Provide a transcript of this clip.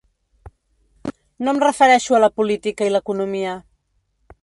No em refereixo a la política i l’economia.